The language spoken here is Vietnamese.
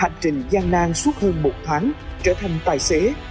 hành trình gian nan suốt hơn một tháng trở thành tài xế